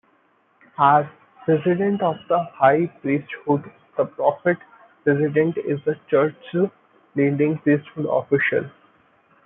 As "President of the High Priesthood", the Prophet-President is the church's leading priesthood official.